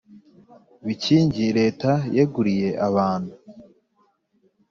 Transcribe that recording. bikingi Leta yeguriye abantu